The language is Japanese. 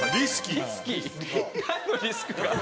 なんのリスクが。